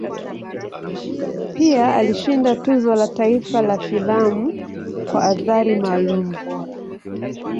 Pia alishinda Tuzo la Taifa la Filamu kwa Athari Maalum Bora.